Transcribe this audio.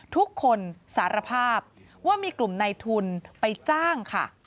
ทุกคนสารภาพว่ามีกลุ่มในทุนไปจ้างค่ะ